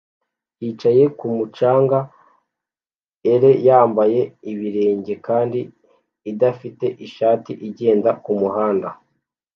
Yicaye kumu canga er yambaye ibirenge kandi idafite ishati igenda kumuhanda